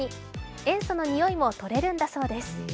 塩素のにおいも取れるんだそうです。